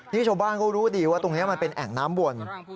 นี่ชาวบ้านเขารู้ดีว่าตรงนี้มันเป็นแอ่งน้ำวน